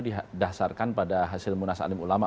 didasarkan pada hasil munas alim ulama